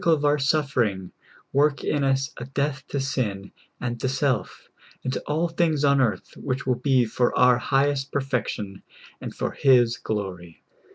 39 tide of our suffering, work in us a death to sin and to self, and to all things on earth which will be for our highest perfection and for His glory.